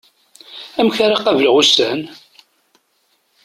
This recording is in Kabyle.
Amek ara qableɣ ussan?